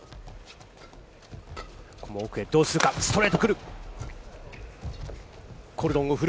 奥へどうするか、ストレート来る。